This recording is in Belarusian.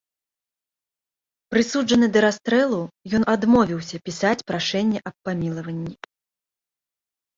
Прысуджаны да расстрэлу, ён адмовіўся пісаць прашэнне аб памілаванні.